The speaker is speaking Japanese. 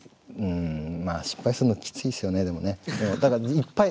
失敗するのきついですよねでもね。